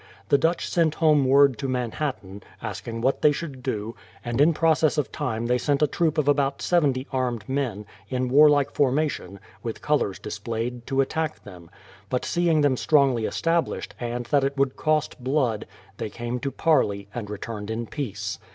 The Dutch sent home word to Manhattan, asking what they should do, and in process of time they sent a troop of about seventy armed men, in warlike for mation, with colours displayed, to attack them; but see ing them strongly established, and that it would cost blood, they came to parley, and returned in peace.